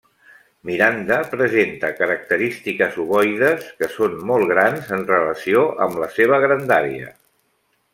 Miranda presenta característiques ovoides que són molt grans en relació amb la seva grandària.